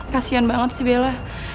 kasian banget bella